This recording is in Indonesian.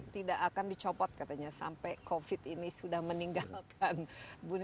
tidak akan dicopot katanya sampai covid ini sudah meninggalkan dunia